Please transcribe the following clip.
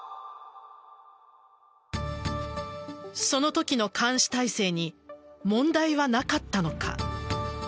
そのときの監視体制に問題はなかったのか。